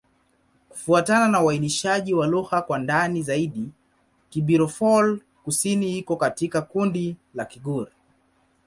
Kufuatana na uainishaji wa lugha kwa ndani zaidi, Kibirifor-Kusini iko katika kundi la Kigur.